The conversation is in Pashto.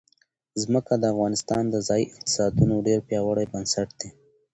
ځمکه د افغانستان د ځایي اقتصادونو یو ډېر پیاوړی بنسټ دی.